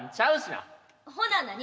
ほな何？